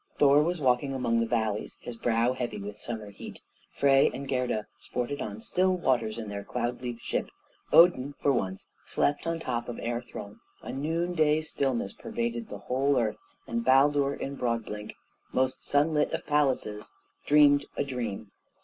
Thor was walking among the valleys, his brow heavy with summer heat; Frey and Gerda sported on still waters in their cloud leaf ship; Odin, for once, slept on the top of Air Throne; a noon day stillness pervaded the whole earth; and Baldur in Broadblink, most sunlit of palaces, dreamed a dream.